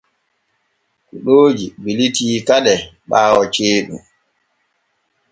Kuɗooji bilitii kade ɓaawo ceeɗum.